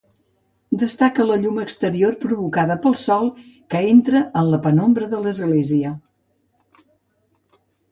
Destaca la llum exterior provocada pel sol que entra en la penombra de l'església.